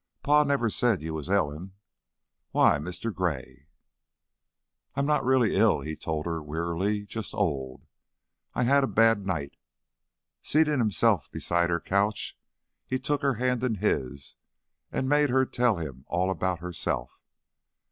"Pa never said you was ailin'. Why, Mr. Gray!" "I'm not really ill," he told her, wearily, "just old. I've had a bad night." Seating himself beside her couch, he took her hand in his and made her tell him all about herself.